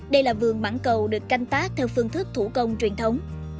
đây là vườn mãng cầu được canh tác theo phương thức thủ công truyền thống